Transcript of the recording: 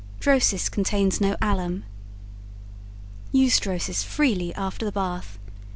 DROSIS CONTAINS NO ALUM Use Drosis freely after the bath.